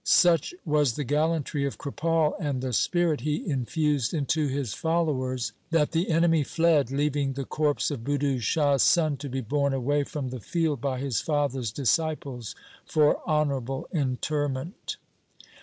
Such was the gallantry of Kripal and the spirit he infused into his followers, that the enemy fled, leaving the corpse of Budhu Shah's son to be borne away from the field by his father's disciples for honourable interment.